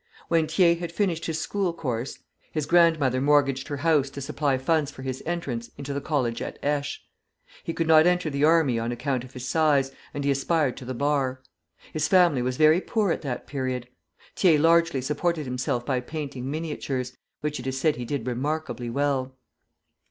When Thiers had finished his school course his grandmother mortgaged her house to supply funds for his entrance into the college at Aix. He could not enter the army on account of his size, and he aspired to the Bar. His family was very poor at that period. Thiers largely supported himself by painting miniatures, which it is said he did remarkably well.